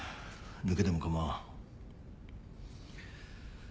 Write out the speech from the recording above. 抜けても構わん。